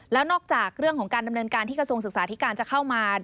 แล้วนอกจากเรื่องของการดำเนินการที่กระทรวงศึกษาธิการจะเข้ามา